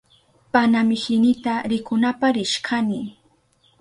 Panamihinita rikunapa rishkani.